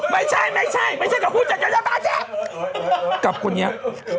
ไม่ใช่กับผู้จัดยาว